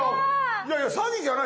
いやいや詐欺じゃない。